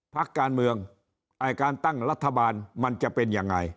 พักการเมืองการตั้งรัฐบาลมันจะเป็นยังไง